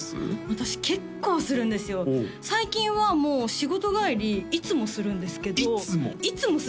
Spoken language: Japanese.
私結構するんですよ最近はもう仕事帰りいつもするんですけどいつも？